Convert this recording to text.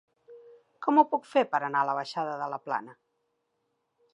Com ho puc fer per anar a la baixada de la Plana?